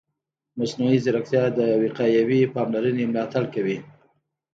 مصنوعي ځیرکتیا د وقایوي پاملرنې ملاتړ کوي.